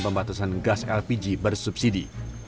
pembatasan gas lpg bersubsidi